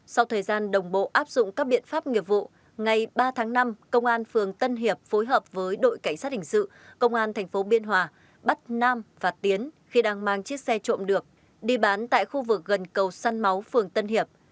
sau thời gian đồng bộ áp dụng các biện pháp nghiệp vụ ngày ba tháng năm công an phường tân hiệp phối hợp với đội cảnh sát hình sự công an tp biên hòa bắt nam và tiến khi đang mang chiếc xe trộm được đi bán tại khu vực gần cầu săn máu phường tân hiệp